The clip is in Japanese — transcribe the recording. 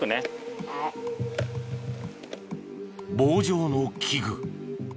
棒状の器具。